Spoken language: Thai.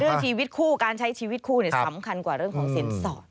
ชีวิตคู่การใช้ชีวิตคู่สำคัญกว่าเรื่องของสินสอด